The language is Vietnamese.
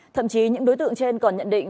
thậm chí những đối tượng trên còn nhận định